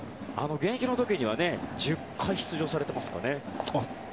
現役の時には１０回出場されていますからね。